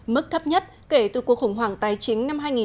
mức thấp nhất kể từ cuộc khủng hoảng tài chính năm hai nghìn tám hai nghìn chín